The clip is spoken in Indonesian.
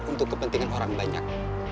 untuk kepentingan orang banyak